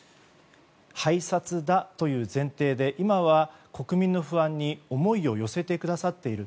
拝察だという前提で今は国民の不安に思いを寄せてくださっている。